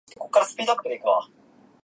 まったく、いい人生だった。